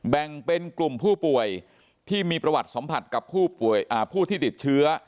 แบ่งเป็นกลุ่มผู้ป่วยที่มีประวัติสัมผัสกับผู้ที่ติดเชื้อ